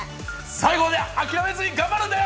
最後まで諦めずに頑張るんだよ！